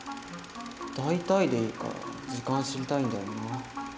大体でいいから時間知りたいんだよな。